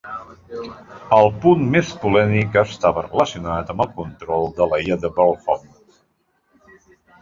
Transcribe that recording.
El punt més polèmic estava relacionat amb el control de l'illa de Bornholm.